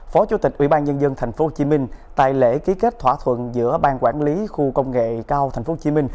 phó chủ tịch ubnd tp hcm tại lễ ký kết thỏa thuận giữa ban quản lý khu công nghệ cao tp hcm